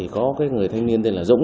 có người thanh niên tên là dũng